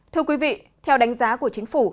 thưa quý vị theo đánh giá của chính phủ